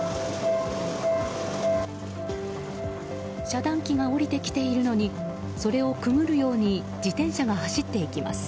遮断機が下りてきているのにそれをくぐるように自転車が走っていきます。